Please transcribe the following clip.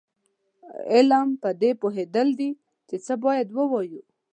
علم پدې پوهېدل دي چې څه باید ووایو.